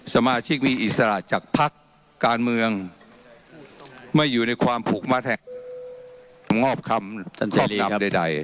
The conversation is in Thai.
สมาชิกมีอิสระจากภาคการเมืองไม่อยู่ในความผุกมัดแห่งงอบคำข้อบนำใด